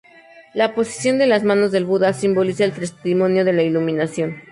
La posición de las manos del Buda simboliza el testimonio de la iluminación.